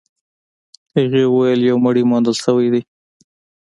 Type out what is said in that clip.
هغې وويل يو مړی موندل شوی دی.